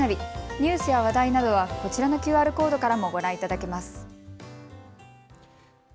ニュースや話題などは、こちらのＱＲコードからもご覧いただけます。